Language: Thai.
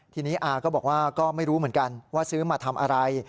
ทีนี้อาก็บอกว่าก็ไม่รู้เหมือนกันว่าซื้อมาทำอะไร